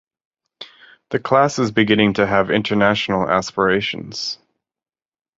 The class is beginning to have international aspirations.